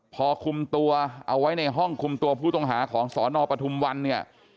พอคุมตัวเอาไว้ในห้องคุมตัวผู้ต้องหาของสนปทุมวันเนี่ย